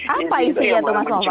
apa isinya tuh mas nova